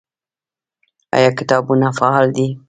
آیا کتابتونونه فعال دي؟